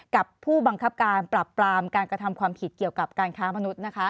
กับผู้บังคับการปรับปรามการกระทำความผิดเกี่ยวกับการค้ามนุษย์